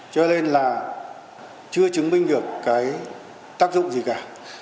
cho nên là chưa chứng minh được cái tác dụng gì cả